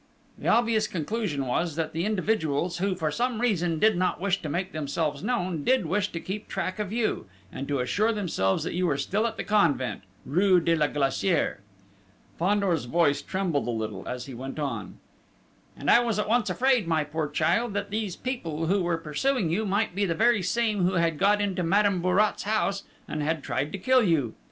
"The obvious conclusion was, that the individuals who, for some reason, did not wish to make themselves known, did wish to keep track of you, and to assure themselves that you were still at the convent, rue de la Glacière...." Fandor's voice trembled a little, as he went on: "And I was at once afraid, my poor child, that these people who were pursuing you, might be the very same who had got into Madame Bourrat's house, and had tried to kill you....